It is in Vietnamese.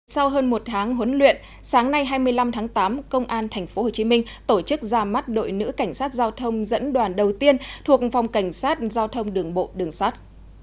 sau hơn một tháng huấn luyện sáng nay hai mươi năm tháng tám công an tp hcm tổ chức ra mắt đội nữ cảnh sát giao thông dẫn đoàn đầu tiên thuộc phòng cảnh sát giao thông đường bộ đường sát